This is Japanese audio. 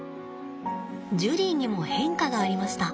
ジュリーにも変化がありました。